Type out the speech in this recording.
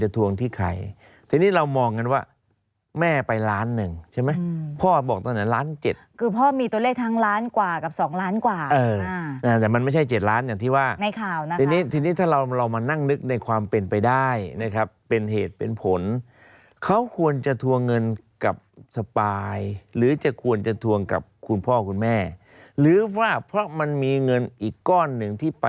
ทวงที่ใครทีนี้เรามองกันว่าแม่ไปล้านหนึ่งใช่ไหมพ่อบอกตั้งแต่ล้านเจ็ดคือพ่อมีตัวเลขทั้งล้านกว่ากับสองล้านกว่าเออแต่มันไม่ใช่๗ล้านอย่างที่ว่าในข่าวนะทีนี้ทีนี้ถ้าเราเรามานั่งนึกในความเป็นไปได้นะครับเป็นเหตุเป็นผลเขาควรจะทวงเงินกับสปายหรือจะควรจะทวงกับคุณพ่อคุณแม่หรือว่าเพราะมันมีเงินอีกก้อนหนึ่งที่ไป